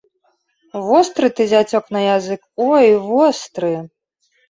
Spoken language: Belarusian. Востры ты, зяцёк, на язык, ой востры!